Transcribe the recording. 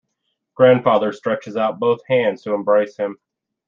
Grandfather stretches out both hands to embrace him.